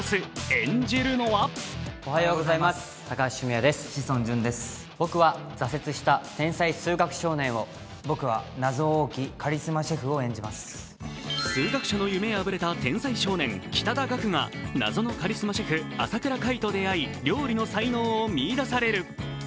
演じるのは数学者の夢破れた天才少年、北田岳が謎のカリスマシェフ朝倉海と出会い料理の才能を見いだされる。